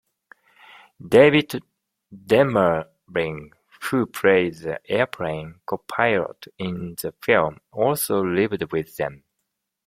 David Demering, who played the airplane co-pilot in the film, also lived with them.